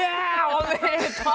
おめでとう！